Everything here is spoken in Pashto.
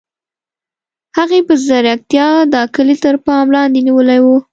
هغې په ځیرتیا دا کلی تر پام لاندې نیولی و